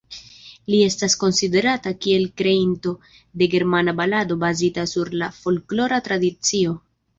Li estas konsiderata kiel kreinto de germana balado, bazita sur la folklora tradicio.